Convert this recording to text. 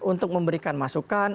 untuk memberikan masukan